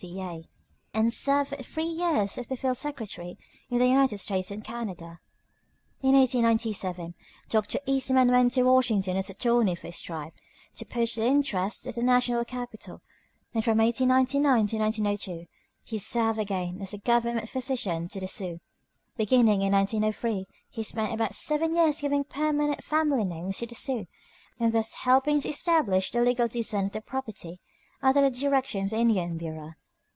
C. A., and served for three years as their field secretary in the United States and Canada. In 1897 Dr. Eastman went to Washington as attorney for his tribe, to push their interests at the national capital, and from 1899 to 1902 he served again as a Government physician to the Sioux. Beginning in 1903, he spent about seven years giving permanent family names to the Sioux, and thus helping to establish the legal descent of their property, under the direction of the Indian Bureau.